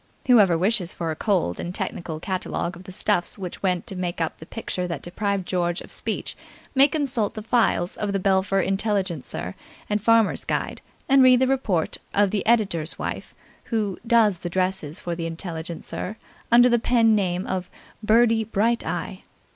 Whoever wishes for a cold and technical catalogue of the stuffs which went to make up the picture that deprived George of speech may consult the files of the Belpher Intelligencer and Farmers' Guide, and read the report of the editor's wife, who "does" the dresses for the Intelligencer under the pen name of "Birdie Bright Eye".